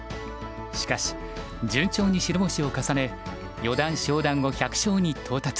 しかし順調に白星を重ね四段昇段後１００勝に到達。